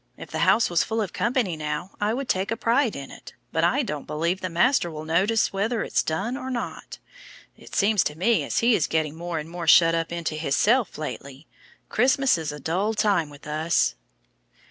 If the house was full of company now, I would take a pride in it, but I don't believe the master will notice whether it's done or not. It seems to me as he is getting more and more shut up into hisself lately. Christmas is a dull time with us."